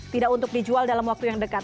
tidak untuk dijual dalam waktu yang dekat